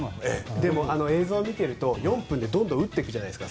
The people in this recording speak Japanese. でもあの映像を見ていると４分でどんどん打っていくじゃないですか。